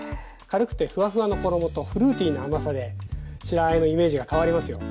軽くてフワフワの衣とフルーティーな甘さで白あえのイメージが変わりますよ。